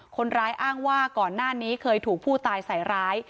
คนร้ายอ้างว่าก่อนหน้านี้เคยถูกผู้ตายใส่ร้าย